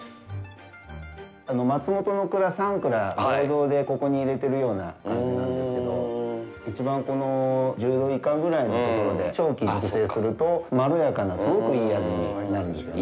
松本の蔵、３蔵、合同でここに入れてる感じなんですけど一番１０度以下ぐらいのところで長期熟成すると、まろやかなすごくいい味になるんですよね。